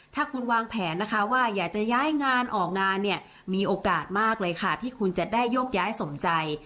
ถ้าคุณวางแผนนะคะว่าอยากจะย้ายงานออกงานเนี่ยมีโอกาสมากเลยค่ะที่คุณจะได้โยกย้ายสมใจ